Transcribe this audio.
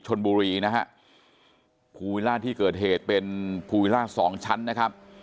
ชนบุรีนะฮะภูวิล่าที่เกิดเหตุเป็นภูวิล่าสองชั้นนะครับ